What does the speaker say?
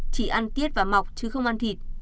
chỉ ăn tiết và mọc chứ không ăn thịt